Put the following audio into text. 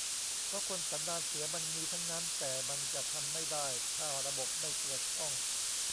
เพราะคนสันดานเสียมันมีทั้งนั้น แต่มันจะทำไม่ได้ถ้าระบบไม่เปิดช่อง